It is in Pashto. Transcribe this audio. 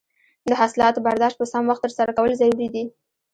د حاصلاتو برداشت په سم وخت ترسره کول ضروري دي.